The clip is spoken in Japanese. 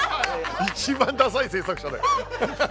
一番ダサい制作者だよ。